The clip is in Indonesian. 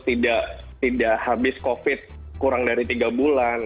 tidak habis covid kurang dari tiga bulan